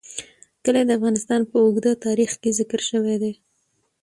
کلي د افغانستان په اوږده تاریخ کې ذکر شوی دی.